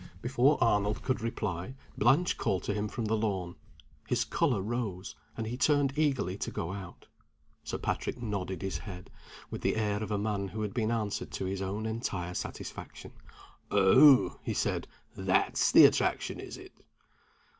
Before Arnold could reply Blanche called to him from the lawn. His color rose, and he turned eagerly to go out. Sir Patrick nodded his head with the air of a man who had been answered to his own entire satisfaction. "Oh!" he said, "that's the attraction, is it?"